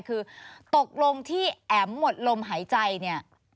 คือตกลงที่แอ๋มหมดลมหายใจเนี่ย